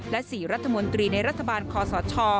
และ๔รัฐมนตรีในรัฐบาลคอสช